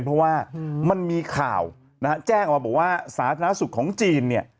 เพราะว่ามันมีข่าวนะฮะแจ้งออกมาบอกว่าสาธารณสุขของจีนเนี่ย